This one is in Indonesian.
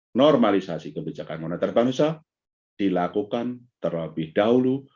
oleh karena itu normalisasi kebijakan moneter bank indonesia dilakukan terlebih dahulu